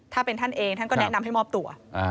ถ้าเป็นท่านเองท่านก็แนะนำให้มอบตัว